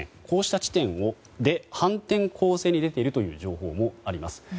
こうした地点で反転攻勢に出ているという情報もあります。